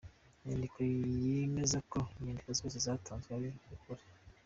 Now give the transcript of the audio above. Inyandiko yemeza ko inyandiko zose zatanzwe ari ukuri